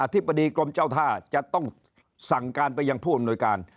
ธิบดีกรมเจ้าท่าจะต้องสั่งการไปยังผู้อำนวยการ